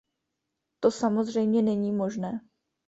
To samozřejmě není možné.